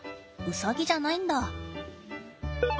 ウサギじゃないんだ。